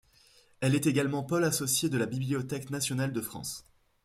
Elle est également pôle associé de la Bibliothèque Nationale de France.